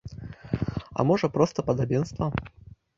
А можа, проста падабенства.